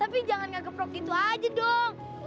tapi jangan nganggep rok gitu aja dong